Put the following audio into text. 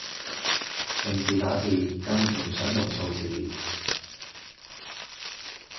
平時打字更唔想用數字